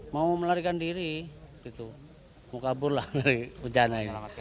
mau melarikan diri mau kabur lah dari hujan